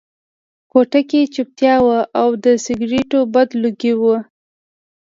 کوټه کې چوپتیا وه او د سګرټو بد لوګي وو